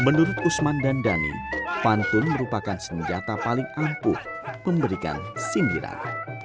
menurut usman dan dhani pantun merupakan senjata paling ampuh memberikan sindiran